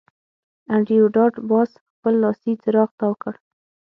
انډریو ډاټ باس خپل لاسي څراغ تاو کړ